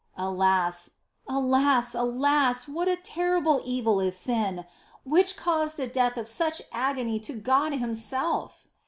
^ Alas, alas, alas ! What a terrible evil is sin, which caused a death of such agony to God Himself